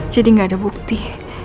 jadi gak ada bukti